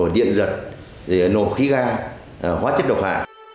điện giật nổ khí ga hóa chất độc hạ